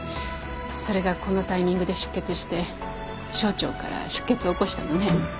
それがこのタイミングで出血して小腸から出血を起こしたのね。